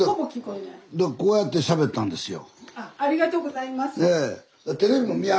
だからこうやってしゃべったんですよ。